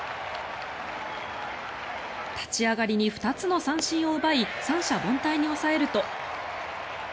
立ち上がりに２つの三振を奪い三者凡退に抑えると。